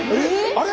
あれ？